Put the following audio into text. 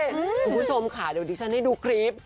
คุณผู้ชมค่ะเดี๋ยวดิฉันให้ดูคลิป